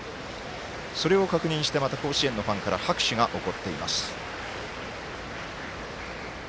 それを確認してまた甲子園のファンから拍手が起こっています。